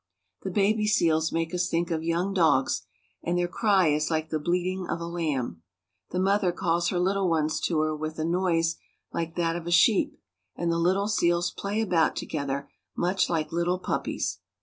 The baby seals make us think of young dogs, and their cry is like the bleating of a lamb. The mother calls her Httle ones to her with a noise like that of a sheep, and the little seals play about together much like little puppies.